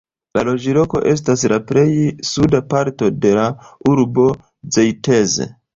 La loĝloko estas la plej suda parto de la urbo Zeitz.